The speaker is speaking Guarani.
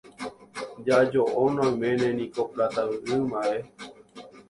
Jajo'óna oiméne niko Pláta Yvyguy mba'e.